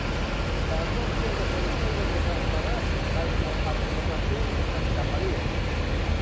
Parroquia do concello de Barbadás baixo a advocación de santa María.